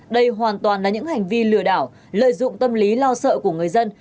đây hoàn toàn là những hành vi lừa đảo lợi dụng tâm lý lo sợ của người dân